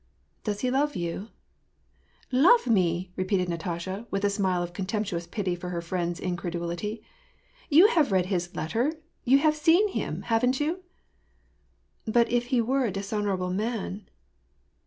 " Does he love you ?"" Love me !" repeated Natasha, with a smile of contemptu ous pity for her friend's inci:pdulity. " You have read his let ter, you have seen him, haven't you ?"<* But if he were a dishonorable man